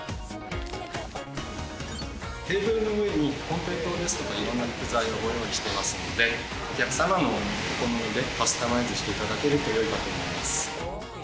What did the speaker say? テーブルの上に金平糖ですとか、いろんなトッピングをご用意していますのでお客様のお好みでカスタマイズしていただければ良いかと思います。